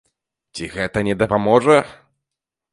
Ці гэта не дапаможа?